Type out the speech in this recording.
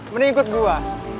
mending ikut gua